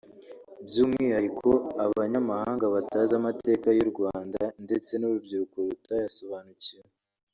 by’umwihariko abanyamahanga batazi amateka y’u Rwanda ndetse n’urubyiruko rutayasobanukiwe